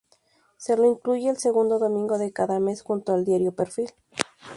Se lo incluye el segundo domingo de cada mes junto al diario Perfil.